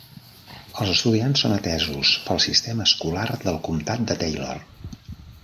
Els estudiants són atesos pel sistema escolar del comtat de Taylor.